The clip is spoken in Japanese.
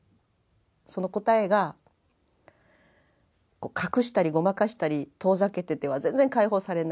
その答えがこう隠したりごまかしたり遠ざけてては全然解放されないと。